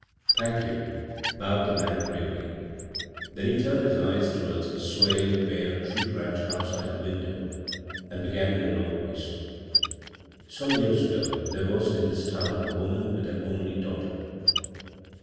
"Thank you," bowed the man gravely; then he turned his eyes towards a swaying bare tree branch outside the window, and be gan in a low voice :" Some years ago there was in this town a woman with an only daughter."